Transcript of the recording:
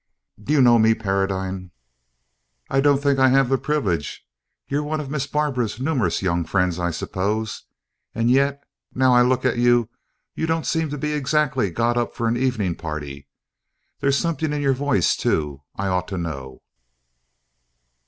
"Don't you know me, Paradine?" "I don't think I have the privilege you're one of Miss Barbara's numerous young friends, I suppose? and yet, now I look at you, you don't seem to be exactly got up for an evening party; there's something in your voice, too, I ought to know."